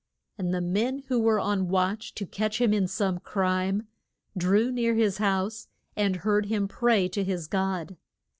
And the men who were on the watch to catch him in some crime, drew near his house and heard him pray to his God.